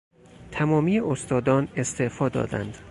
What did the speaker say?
تمامی استادان استعفا دادند.